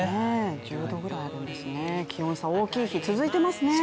１０度くらいあるんですね、気温差大きい日、続いていますね。